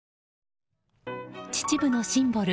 秩父のシンボル